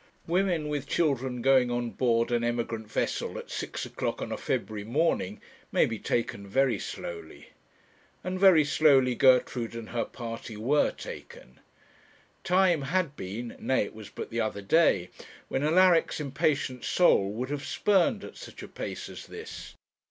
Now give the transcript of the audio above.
Women with children going on board an emigrant vessel at six o'clock on a February morning may be taken very slowly. And very slowly Gertrude and her party were taken. Time had been nay, it was but the other day when Alaric's impatient soul would have spurned at such a pace as this.